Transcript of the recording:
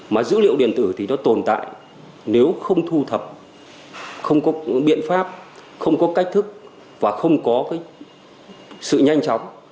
mà dữ liệu điện tử thì nó tồn tại nếu không thu thập không có biện pháp không có cách thức và không có cái sự nhanh chóng